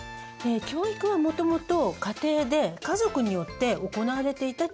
教育はもともと家庭で家族によって行われていた機能でした。